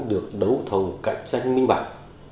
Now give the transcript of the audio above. được đấu thầu cạnh tranh minh bản